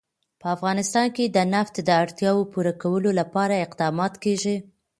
په افغانستان کې د نفت د اړتیاوو پوره کولو لپاره اقدامات کېږي.